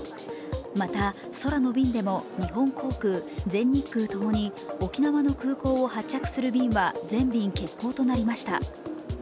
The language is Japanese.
また、空の便でも日本航空全日空ともに沖縄の空港を発着する便は全便欠航となりました。